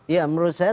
ya menurut saya